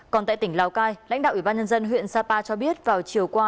còn tại tỉnh lào cai lãnh đạo ủy ban nhân dân huyện sapa cho biết vào chiều qua